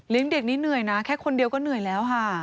เด็กนี้เหนื่อยนะแค่คนเดียวก็เหนื่อยแล้วค่ะ